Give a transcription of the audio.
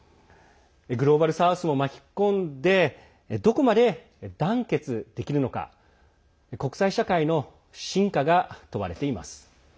グローバル・サウスを巻き込んでどこまで団結できるのか国際社会の真価が問われています。